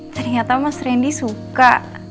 ternyata mas rendy suka